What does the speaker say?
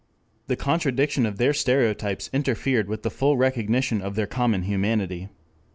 The contradiction of their stereotypes interfered with the full recognition of their common humanity.